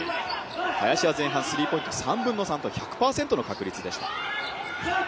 林は前半スリーポイント３分の３と１００％の確率でした。